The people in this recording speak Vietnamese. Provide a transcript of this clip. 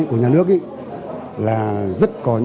của nhà nước